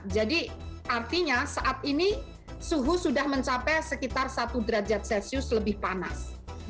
artinya saat ini suhu sudah mencapai sekitar satu derajat celcius lebih panas